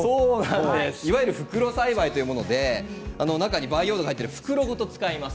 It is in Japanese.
いわゆる袋栽培というもので、中に入っている培養土の袋ごと使います。